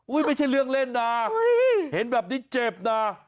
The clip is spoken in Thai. ไม่ใช่เรื่องเล่นนะเห็นแบบนี้เจ็บนะ